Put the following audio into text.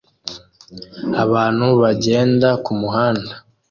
Abantu bagenda kumuhanda